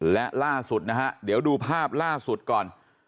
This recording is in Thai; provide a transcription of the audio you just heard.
และล่าสุดนะฮะเดี๋ยวดูภาพล่าสุดก่อน